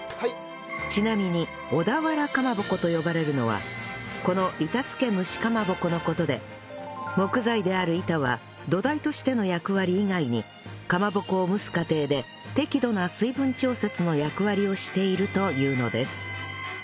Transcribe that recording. ちなみに小田原かまぼこと呼ばれるのはこの板付け蒸しかまぼこの事で木材である板は土台としての役割以外にかまぼこを蒸す過程で適度な水分調節の役割をしているというのです